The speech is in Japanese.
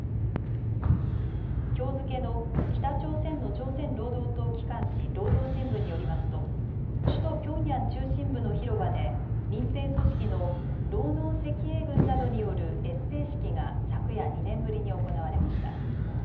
きょう付けの北朝鮮の朝鮮労働党機関紙、労働新聞によりますと首都ピョンヤン中心部の広場で民兵組織の労農赤衛軍などによる閲兵式が昨夜、２年ぶりに行われました。